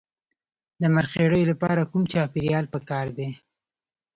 د مرخیړیو لپاره کوم چاپیریال پکار دی؟